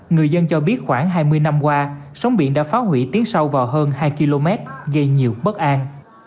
người dân cho biết khoảng hai mươi năm qua sóng biển đã phá hủy tiến sâu vào hơn hai km gây nhiều bất an